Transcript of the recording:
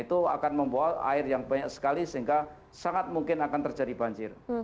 itu akan membawa air yang banyak sekali sehingga sangat mungkin akan terjadi banjir